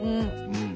うん。